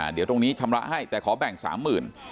เดี๋ยวตรงนี้ชำระให้แต่ขอแบ่ง๓๐๐๐บาท